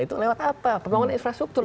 itu lewat apa pembangunan infrastruktur